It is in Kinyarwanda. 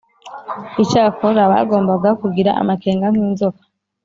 Icyakora bagombaga kugira amakenga nk inzoka